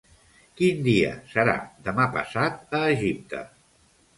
Quin dia serà demà passat a Egipte?